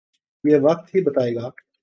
یہ وقت ہی بتائے گا۔